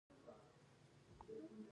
زۀ پوهه شوم چې کوهے وهي